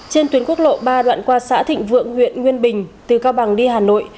trên tuyến quốc lộ ba đoạn qua xã thịnh vượng huyện nguyên bình từ cao bằng đi hà nội